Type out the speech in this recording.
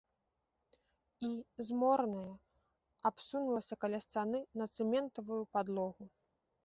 І, змораная, абсунулася каля сцяны на цэментаваную падлогу.